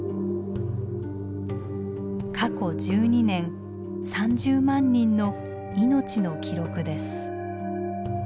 過去１２年３０万人の命の記録です。